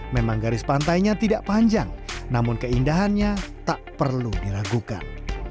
memang garis pantainya tidak panjang namun keindahannya tak perlu diragukan